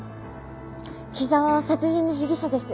木沢は殺人の被疑者です。